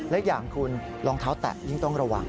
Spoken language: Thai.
และอย่างคุณรองเท้าแตะยิ่งต้องระวัง